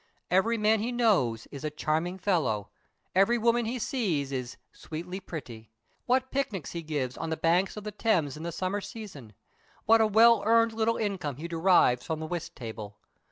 Every man he knows is "a charming fellow." Every woman he sees is "sweetly pretty." What picnics he gives on the banks of the Thames in the summer season! What a well earned little income he derives from the whist table!